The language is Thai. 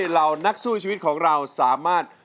เหล่านักสู้ชีวิตของเราสามารถ